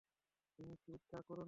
তুমি কি তা করোনি?